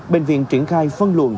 bệnh viện triển khai phân luận